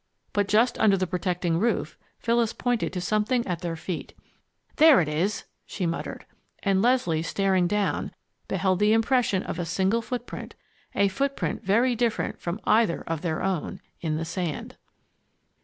But just under the protecting roof, Phyllis pointed to something at their feet. "There it is!" she muttered. And Leslie, staring down, beheld the impression of a single footprint a footprint very different from either of their own in the sand!